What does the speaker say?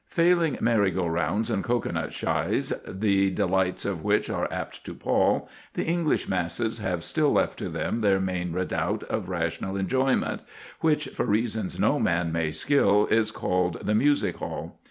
Failing merry go rounds and cocoanut shies, the delights of which are apt to pall, the English masses have still left to them their main redoubt of rational enjoyment, which, for reasons no man may skill, is called the music hall.